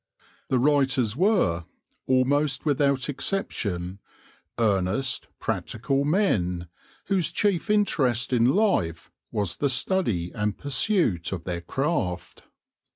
The writers were, almost without ex ception, earnest, practical men, whose chief interest in life was the study and pursuit of their craft.